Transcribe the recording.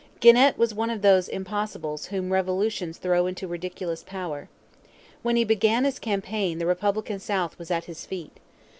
Genet was one of those 'impossibles' whom revolutions throw into ridiculous power. When he began his campaign the Republican South was at his feet.